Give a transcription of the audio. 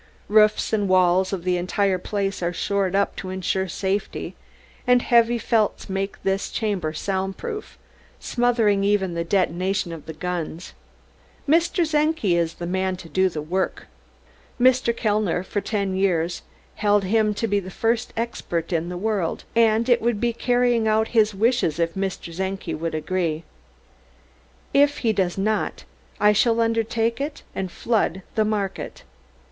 Roofs and walls of the entire place are shored up to insure safety, and heavy felts make this chamber sound proof, smothering even the detonation of the guns. Mr. Czenki is the man to do the work. Mr. Kellner, for ten years, held him to be the first expert in the world, and it would be carrying out his wishes if Mr. Czenki would agree. If he does not I shall undertake it, _and flood the market!